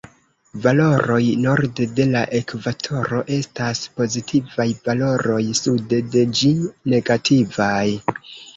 Valoroj norde de la ekvatoro estas pozitivaj, valoroj sude de ĝi negativaj.